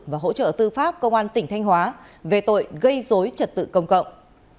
và hỗ trợ tư pháp công an tỉnh thanh hóa về tội gây dối trật tự công cộng